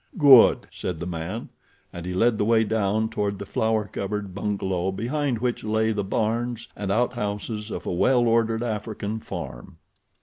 "Good!" said the man, and he led the way down toward the flower covered bungalow behind which lay the barns and out houses of a well ordered African farm.